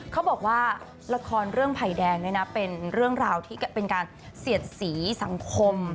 เขาบอกว่าละครเรื่องไผ่แดงเนี่ยนะเป็นเรื่องราวที่เป็นการเสียดสีสังคม